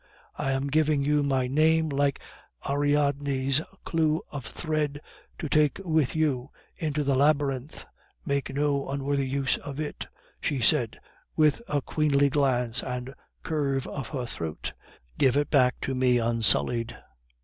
I am giving you my name like Ariadne's clue of thread to take with you into the labyrinth; make no unworthy use of it," she said, with a queenly glance and curve of her throat; "give it back to me unsullied.